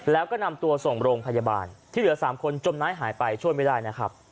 แล้วก็นำตัวส่งโรงพยาบาลที่เหลือ๓คนจมน้ำหายไปช่วยไม่ได้นะครับ